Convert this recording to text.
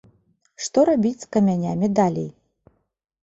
Што рабіць з камянямі далей?